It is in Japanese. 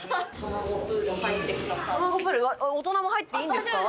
大人も入っていいんですか？